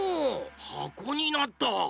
はこになった！